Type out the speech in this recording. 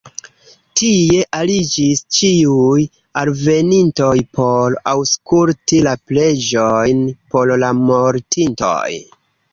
Tie ariĝis ĉiuj alvenintoj por aŭskulti la preĝojn por la mortintoj.